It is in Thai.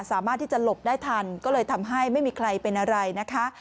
สามารถที่จะหลบได้ทันก็เลยทำให้ไม่มีใครเป็นอะไรนะคะ